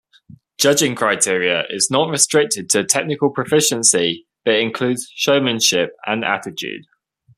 Judging criteria is not restricted to technical proficiency, but includes showmanship and attitude.